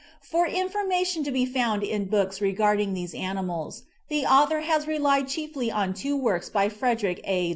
For information to be found in books regarding these animals, the author has relied chiefly on two works by Frederic A.